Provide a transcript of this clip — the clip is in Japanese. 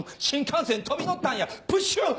新幹線飛び乗ったんやプシュ！